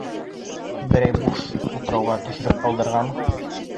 Берәй буш утрауға төшөрөп ҡалдырырғамы?